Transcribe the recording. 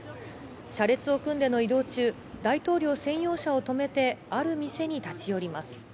車列を組んでの移動中、大統領専用車を停めて、ある店に立ち寄ります。